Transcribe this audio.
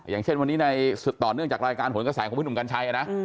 อย่างเช่นวันนี้ในต่อเนื่องจากรายการหนกระแสของพี่หนุ่มกัญชัยนะ